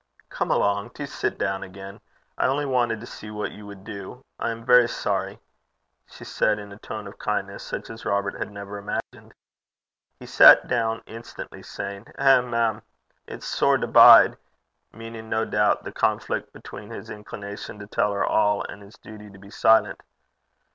'Come along. Do sit down again. I only wanted to see what you would do. I am very sorry,' she said, in a tone of kindness such as Robert had never imagined. He sat down instantly, saying, 'Eh, mem! it's sair to bide;' meaning, no doubt, the conflict between his inclination to tell her all, and his duty to be silent.